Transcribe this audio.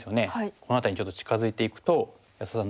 この辺りにちょっと近づいていくと安田さん